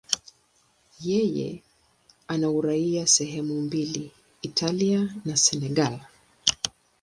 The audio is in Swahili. Yeye ana uraia wa sehemu mbili, Italia na Senegal.